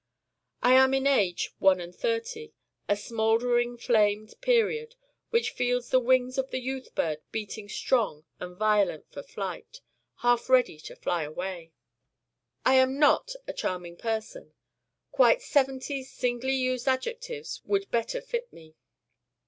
I am in age one and thirty, a smouldering flamed period which feels the wings of the Youth bird beating strong and violent for flight half ready to fly away. I am not a charming person. Quite seventy singly used adjectives would better fit me.